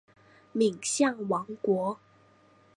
敏象王国。